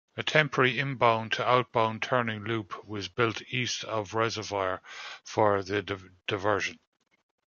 A temporary inbound-to-outbound turning loop was built east of Reservoir for the diversion.